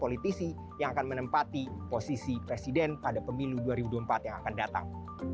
dan politisi yang akan menempati posisi presiden pada pemilu dua ribu dua puluh empat yang akan datang